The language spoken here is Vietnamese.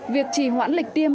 việc trì hoãn lịch tiêm